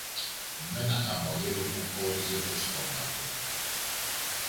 μ' ένα χαμόγελο που χώριζε το στόμα του